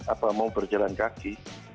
apa mau berjalan kaki